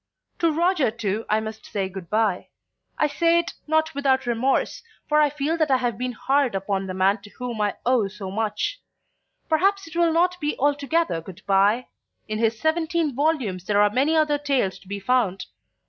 To Roger too I must say good bye. I say it not without remorse, for I feel that I have been hard upon the man to whom I owe so much. Perhaps it will not be altogether good bye; in his seventeen volumes there are many other tales to be found.